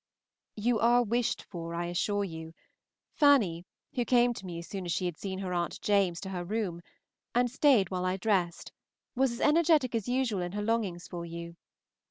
You are wished for, I assure you: Fanny, who came to me as soon as she had seen her Aunt James to her room, and stayed while I dressed, was as energetic as usual in her longings for you.